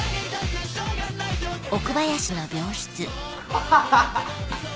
・ハハハハ！